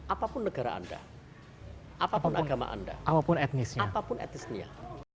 apapun negara anda apapun agama anda apapun etnisnya